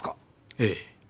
ええ。